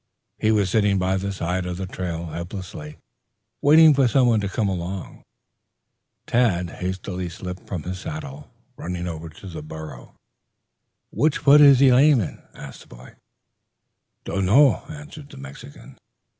He was sitting by the side of the trail helplessly, waiting for someone to come along. Tad hastily slipped from his saddle, running over to the burro. "Which foot is he lame in?" asked the boy. "Donno," answered the Mexican.